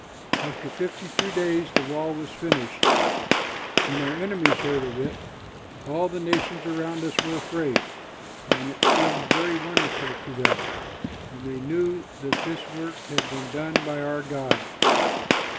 After fifty two days the wall was finished. When our enemies heard of it, all the nations around us were afraid, and it seemed very wonderful to them, and they knew that this work had been done by our God.